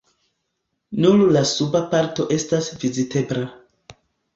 Nur la suba parto estas vizitebla.